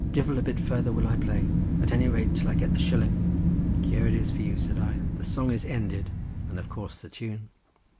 "Divil a bit farther will I play; at any rate till I get the shilling." "Here it is for you," said I; "the song is ended and of course the tune."